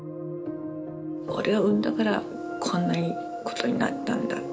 俺を産んだからこんなことになったんだって。